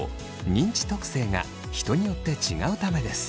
認知特性が人によって違うためです。